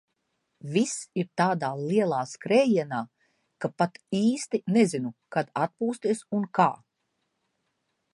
Viss ir tādā lielā skrējienā, ka pat īsti nezinu, kad atpūsties un kā.